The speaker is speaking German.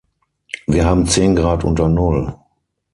Wir haben zehn Grad unter Null.